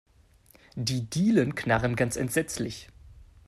Die Dielen knarren ganz entsetzlich.